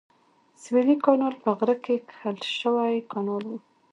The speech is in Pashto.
سویلي کانال په غره کې کښل شوی کانال و.